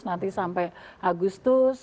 nanti sampai agustus